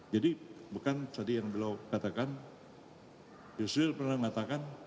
jadi bukan tadi yang beliau katakan yusril pernah mengatakan